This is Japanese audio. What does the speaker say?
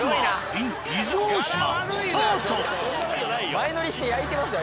前乗りして焼いてますよ